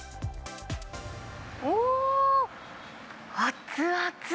おー、熱々。